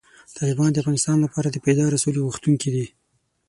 طالبان د افغانستان لپاره د پایداره سولې غوښتونکي دي.